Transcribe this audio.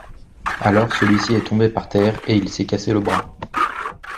Alors, celui-ci est tombé par terre et il s’est cassé le bras.